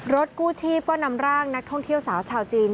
กู้ชีพก็นำร่างนักท่องเที่ยวสาวชาวจีน